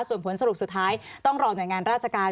ส่วนผลสรุปสุดท้ายต้องรอหน่วยงานราชการ